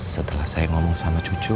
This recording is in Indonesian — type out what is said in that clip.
setelah saya ngomong sama cucu